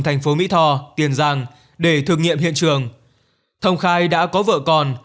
thành phố mỹ tho tiền giang để thử nghiệm hiện trường thông khai đã có vợ con